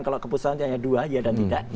kalau keputusannya hanya dua ya dan tidak